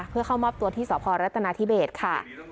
เพื่อเข้ามอบตัวที่สพรัฐนาธิเบสค่ะ